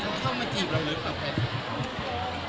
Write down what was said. เขาเข้ามาจีบเราหรือเปลี่ยนต่อไป